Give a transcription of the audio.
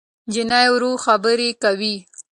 نجلۍ ورو خبرې کوي.